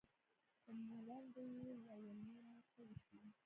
په ملنډو يې وويل نور نو څه وسي.